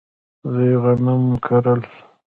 دوی غنم کرل.